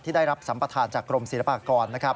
ได้รับสัมประธานจากกรมศิลปากร